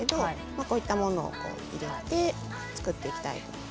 こういったものを入れて作っていきます。